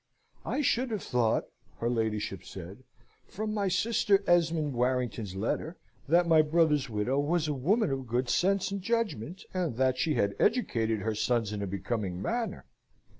"I should have thought," her ladyship said, "from my sister Esmond Warrington's letter, that my brother's widow was a woman of good sense and judgment, and that she had educated her sons in a becoming manner.